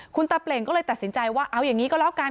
คุณตาเปล่งก็เลยตัดสินใจว่าเอาอย่างนี้ก็แล้วกัน